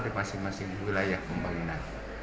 di masing masing wilayah pembangunan